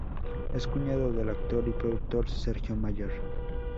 Es cuñado del actor y productor Sergio Mayer.